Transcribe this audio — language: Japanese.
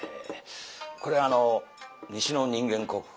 これ西の人間国宝